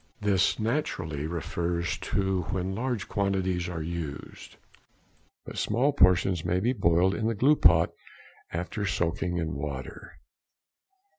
This naturally refers to when large quantities are used, but small portions may be boiled in the glue pot after soaking in water.